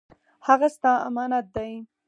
هغه ستا امانت دی